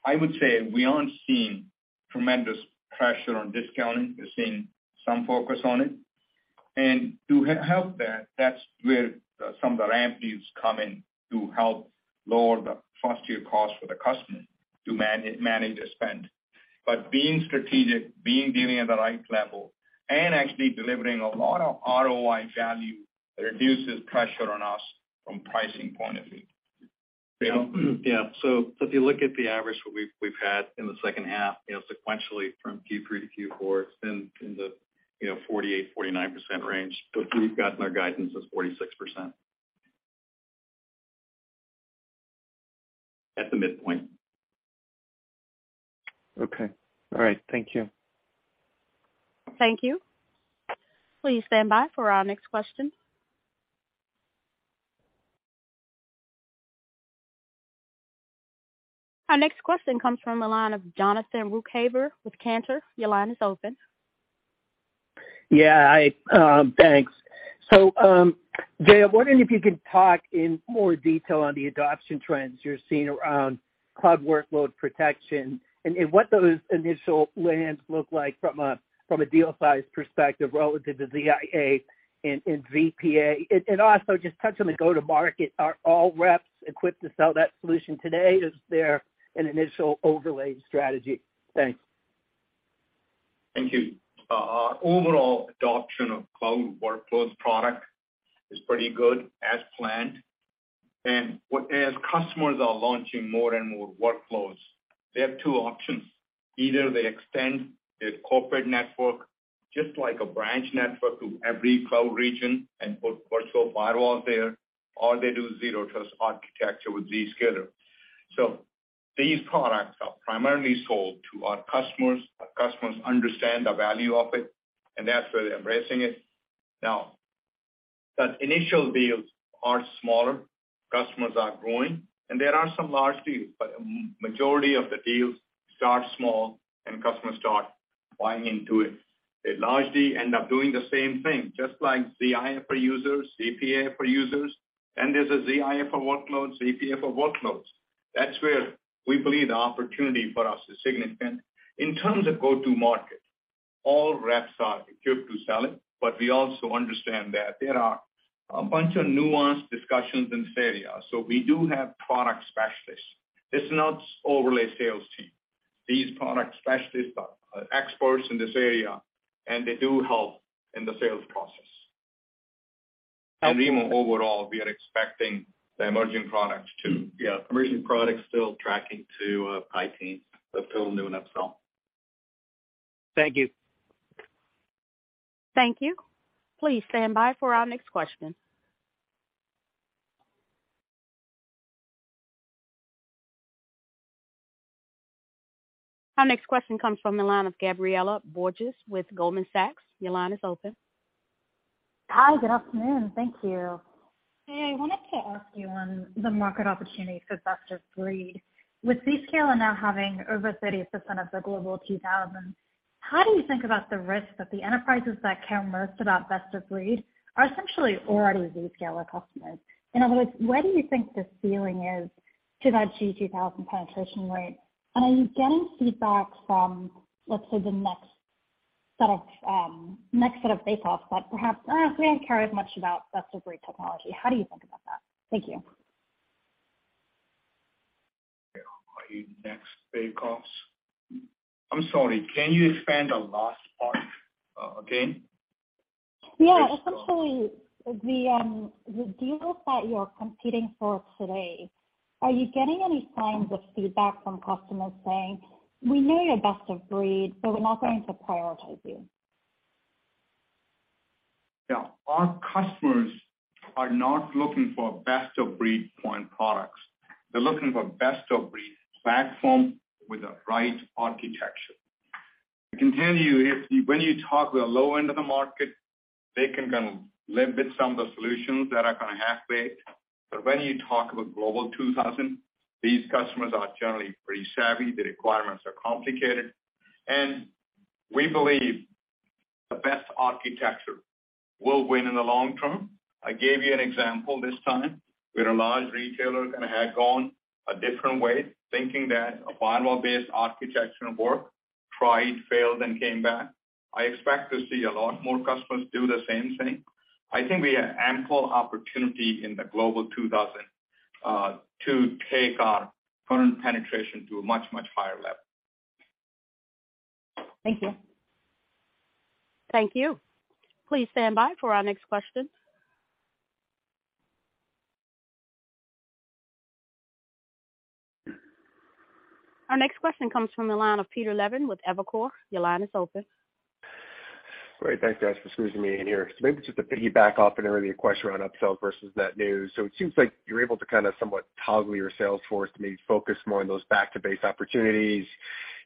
I would say we aren't seeing tremendous pressure on discounting. We're seeing some focus on it. To help that's where some of the ramp deals come in to help lower the first year cost for the customer to manage their spend. Being strategic, being dealing at the right level, and actually delivering a lot of ROI value reduces pressure on us from pricing point of view. Yeah. Yeah. If you look at the average, what we've had in the second half, you know, sequentially from Q3 to Q4, it's been in the, you know, 48%-49% range. We've gotten our guidance as 46%. At the midpoint. Okay. All right. Thank you. Thank you. Please stand by for our next question. Our next question comes from the line of Jonathan Ruykhaver with Cantor. Your line is open. Yeah, I, thanks. Jay, wondering if you could talk in more detail on the adoption trends you're seeing around cloud workload protection and what those initial lands look like from a deal size perspective relative to ZIA and ZPA. Also just touch on the go-to-market. Are all reps equipped to sell that solution today? Is there an initial overlay strategy? Thanks. Thank you. Our overall adoption of cloud workloads product is pretty good as planned. As customers are launching more and more workloads, they have 2 options. Either they extend their corporate network just like a branch network to every cloud region and put virtual firewalls there, or they do zero trust architecture with Zscaler. These products are primarily sold to our customers. Our customers understand the value of it, and that's why they're embracing it. Now, the initial deals are smaller, customers are growing, and there are some large deals, but majority of the deals start small and customers start buying into it. They largely end up doing the same thing, just like ZIA for users, ZPA for users, and there's a ZIA for workloads, ZPA for workloads. That's where we believe the opportunity for us is significant. In terms of go-to-market, all reps are equipped to sell it, but we also understand that there are a bunch of nuanced discussions in this area. We do have product specialists. It's not overlay sales team. These product specialists are experts in this area, and they do help in the sales process. Nemo, overall, we are expecting emerging products still tracking to high teens, but still new and upsell. Thank you. Thank you. Please stand by for our next question. Our next question comes from the line of Gabriela Borges with Goldman Sachs. Your line is open. Hi, good afternoon. Thank you. Hey, I wanted to ask you on the market opportunity for best of breed. With Zscaler now having over 30% of the Global 2000, how do you think about the risk that the enterprises that care most about best of breed are essentially already Zscaler customers? In other words, where do you think the ceiling is to that G 2000 penetration rate? Are you getting feedback from, let's say, the next set of bake offs that perhaps may not care as much about best of breed technology? How do you think about that? Thank you. Are you next bake offs? I'm sorry, can you expand the last part again? Essentially, the deals that you're competing for today, are you getting any signs of feedback from customers saying, "We know you're best of breed, but we're not going to prioritize you"? Our customers are not looking for best of breed point products. They're looking for best of breed platform with the right architecture. I can tell you when you talk with the low end of the market, they can kind of limit some of the solutions that are kinda halfway. When you talk about Global 2000, these customers are generally pretty savvy. The requirements are complicated, and we believe the best architecture will win in the long term. I gave you an example this time where a large retailer kinda had gone a different way, thinking that a firewall-based architecture would work, tried, failed and came back. I expect to see a lot more customers do the same thing. I think we have ample opportunity in the Global 2000 to take our current penetration to a much, much higher level. Thank you. Thank you. Please stand by for our next question. Our next question comes from the line of Peter Levine with Evercore. Your line is open. Great. Thanks, guys, for squeezing me in here. Maybe just to piggyback off an earlier question around upsell versus net new. It seems like you're able to kinda somewhat toggle your sales force to maybe focus more on those back to base opportunities.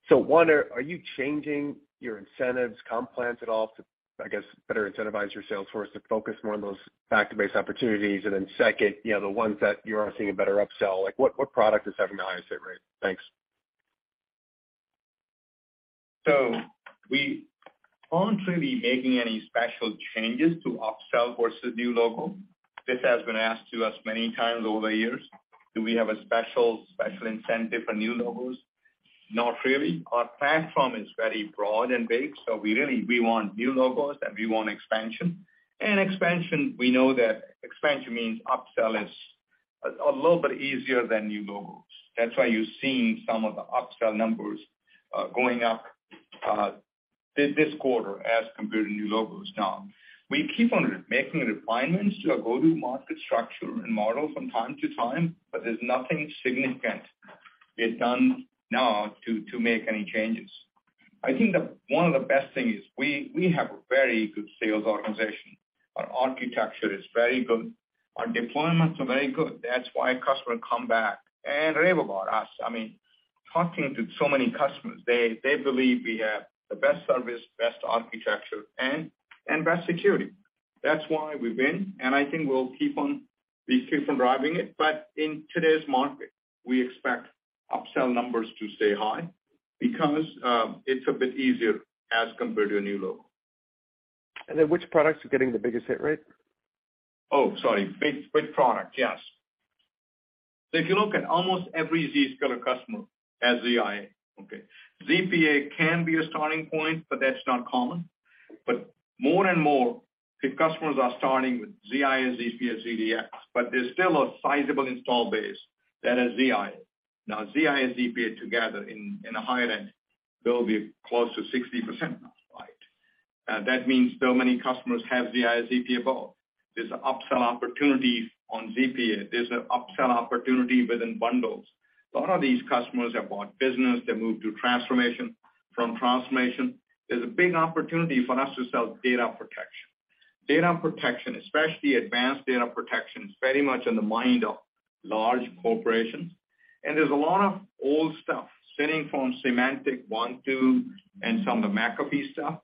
One, are you changing your incentives, comp plans at all to, I guess, better incentivize your sales force to focus more on those back to base opportunities? Second, you know, the ones that you are seeing a better upsell, like what product is having the highest rate? Thanks. We aren't really making any special changes to upsell versus new logo. This has been asked to us many times over the years. Do we have a special incentive for new logos? Not really. Our platform is very broad and big, so we really want new logos, and we want expansion. Expansion, we know that expansion means upsell is a little bit easier than new logos. That's why you're seeing some of the upsell numbers going up this quarter as compared to new logos. We keep on making refinements to our go-to-market structure and model from time to time, but there's nothing significant being done now to make any changes. I think one of the best things is we have a very good sales organization. Our architecture is very good. Our deployments are very good. That's why customers come back and rave about us. I mean, talking to so many customers, they believe we have the best service, best architecture, and best security. That's why we win. I think we keep on driving it. In today's market, we expect upsell numbers to stay high because it's a bit easier as compared to a new logo. Which products are getting the biggest hit rate? Oh, sorry. Big, big product. Yes. If you look at almost every Zscaler customer has ZIA. Okay. ZPA can be a starting point, but that's not common. More and more customers are starting with ZIA, ZPA, ZDX, but there's still a sizable install base that has ZIA. Now, ZIA, ZPA together in the higher end, they'll be close to 60%. Right? That means so many customers have ZIA, ZPA both. There's an upsell opportunity on ZPA. There's an upsell opportunity within bundles. A lot of these customers have bought business. They move through transformation. From transformation, there's a big opportunity for us to sell data protection. Data protection, especially advanced data protection, is very much in the mind of large corporations. There's a lot of old stuff sitting from Symantec One, Two, and some of the McAfee stuff.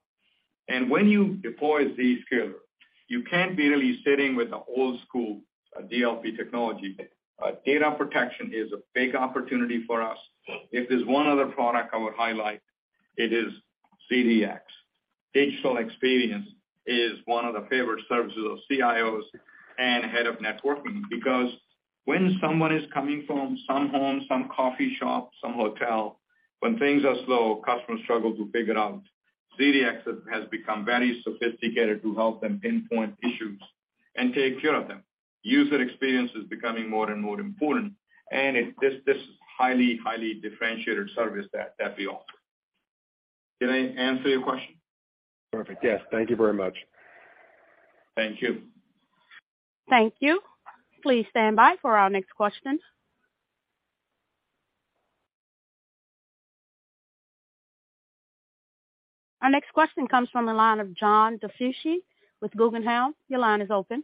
When you deploy Zscaler, you can't be really sitting with the old school DLP technology. Data protection is a big opportunity for us. If there's one other product I would highlight, it is ZDX. Digital experience is one of the favorite services of CIOs and head of networking because when someone is coming from some home, some coffee shop, some hotel, when things are slow, customers struggle to figure it out. ZDX has become very sophisticated to help them pinpoint issues and take care of them. User experience is becoming more and more important, and it's this highly differentiated service that we offer. Did I answer your question? Perfect. Yes. Thank you very much. Thank you. Thank you. Please stand by for our next question. Our next question comes from the line of John DiFucci with Guggenheim. Your line is open.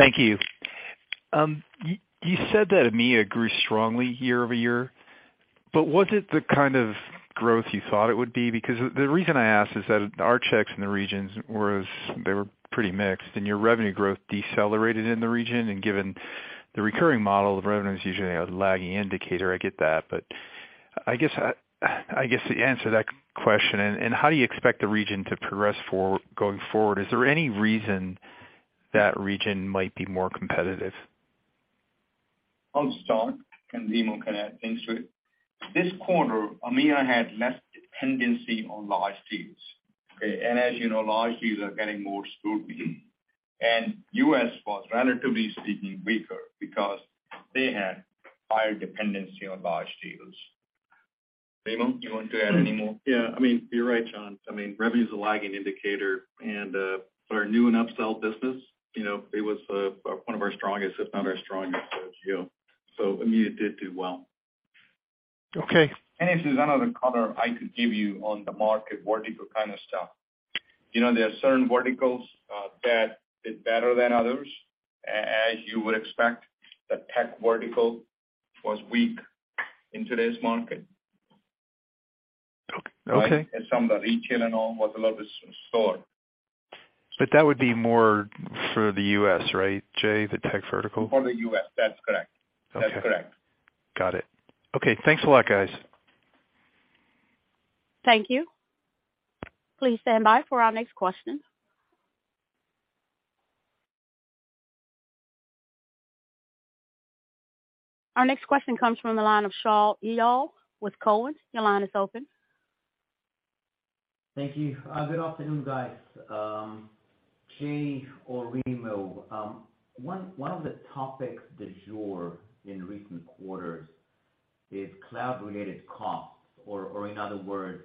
Thank you. You said that EMEA grew strongly year-over-year, but was it the kind of growth you thought it would be? The reason I ask is that our checks in the regions was they were pretty mixed, and your revenue growth decelerated in the region. Given the recurring model of revenue is usually a lagging indicator, I get that. I guess to answer that question and how do you expect the region to progress going forward, is there any reason that region might be more competitive? I'll start. Remo can add things to it. This quarter, EMEA had less dependency on large deals, okay. As you know, large deals are getting more scrutiny. US was, relatively speaking, weaker because they had higher dependency on large deals. Remo, you want to add any more? Yeah, I mean, you're right, John, I mean, revenue is a lagging indicator and, but our new and upsell business, you know, it was one of our strongest, if not our strongest geo. EMEA did do well. Okay. This is another color I could give you on the market vertical kind of stuff. You know, there are certain verticals that did better than others. As you would expect, the tech vertical was weak in today's market. Okay. Right? Some of the retail and all was a little bit slower. That would be more for the U.S., right, Jay? The tech vertical. For the U.S. That's correct. Okay. That's correct. Got it. Okay. Thanks a lot, guys. Thank you. Please stand by for our next question. Our next question comes from the line of Shaul Eyal with Cowen. Your line is open. Thank you. good afternoon, guys. Jay or Remo, one of the topics du jour in recent quarters is cloud-related costs or in other words,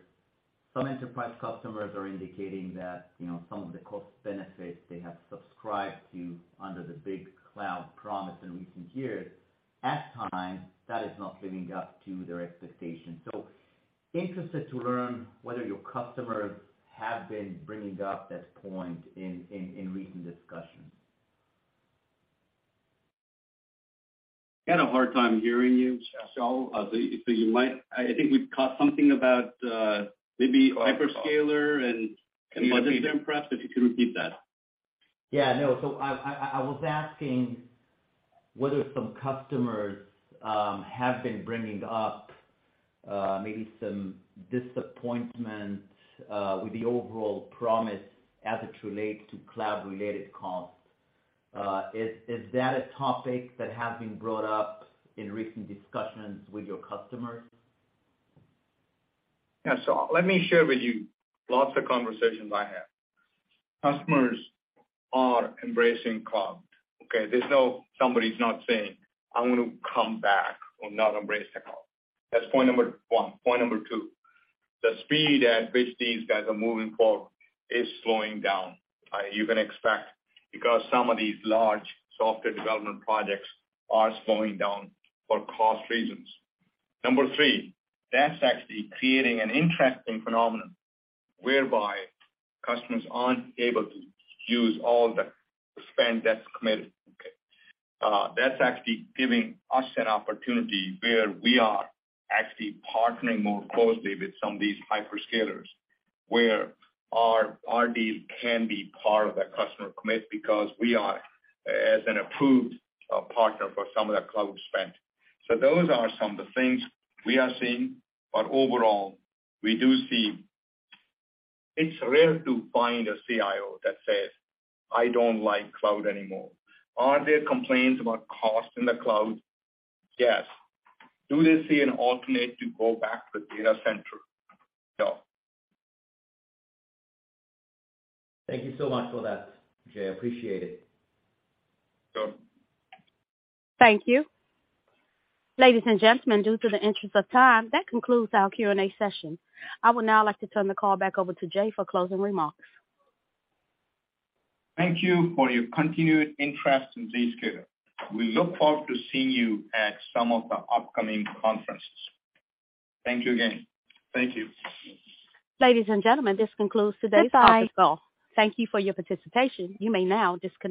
some enterprise customers are indicating that, you know, some of the cost benefits they have subscribed to under the big cloud promise in recent years, at times, that is not living up to their expectations. Interested to learn whether your customers have been bringing up this point in recent discussions? Had a hard time hearing you, Shaul. You might... I think we've caught something about maybe hyperscaler and budgets there perhaps, if you could repeat that? Yeah, no. I was asking whether some customers have been bringing up maybe some disappointment with the overall promise as it relates to cloud related costs. Is that a topic that has been brought up in recent discussions with your customers? Yeah. Let me share with you lots of conversations I have. Customers are embracing cloud. Okay? Somebody's not saying, "I want to come back or not embrace the cloud." That's point number 1. Point number 2, the speed at which these guys are moving forward is slowing down. You can expect because some of these large software development projects are slowing down for cost reasons. Number 3, that's actually creating an interesting phenomenon whereby customers aren't able to use all the spend that's committed. That's actually giving us an opportunity where we are actually partnering more closely with some of these hyperscalers, where our deal can be part of that customer commit because we are as an approved partner for some of their cloud spend. Those are some of the things we are seeing. Overall, we do see it's rare to find a CIO that says, "I don't like cloud anymore." Are there complaints about cost in the cloud? Yes. Do they see an alternate to go back to data center? No. Thank you so much for that, Jay. Appreciate it. Sure. Thank you. Ladies and gentlemen, due to the interest of time, that concludes our Q&A session. I would now like to turn the call back over to Jay for closing remarks. Thank you for your continued interest in Zscaler. We look forward to seeing you at some of the upcoming conferences. Thank you again. Thank you. Ladies and gentlemen, this concludes today's conference call. Thank you for your participation. You may now disconnect.